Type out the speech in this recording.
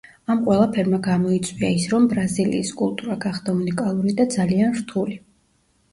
ამ ყველაფერმა გამოიწვია ის, რომ ბრაზილიის კულტურა გახდა უნიკალური და ძალიან რთული.